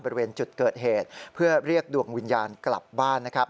บริเวณจุดเกิดเหตุเพื่อเรียกดวงวิญญาณกลับบ้านนะครับ